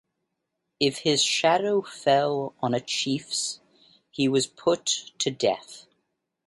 If his shadow fell on a chief's, he was put to death.